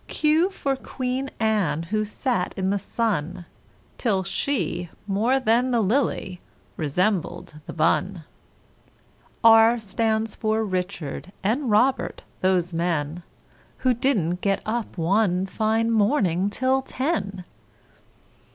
[Illustration: QRS] Q for Queen Anne who sat in the sun Till she, more than the lily resembled the bun R stands for Richard & Robert, those men Who didn't get up one fine morning till ten!